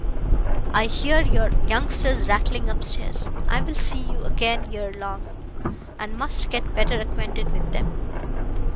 I hear your youngsters rattling upstairs. I will see you again ere long, and must get better acquainted with them.